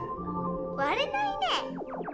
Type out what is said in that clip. われないね。